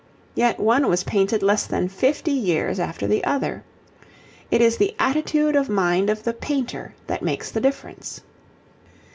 Yet one was painted less than fifty years after the other. It is the attitude of mind of the painter that makes the difference.